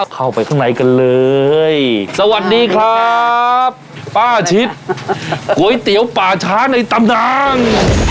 เข้าไปข้างในกันเลยสวัสดีครับป้าชิดก๋วยเตี๋ยวป่าช้าในตำนาน